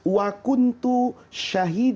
wa kuntu syahid